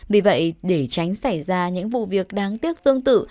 vì vậy để tránh xảy ra những vụ việc đáng tiếc tương tự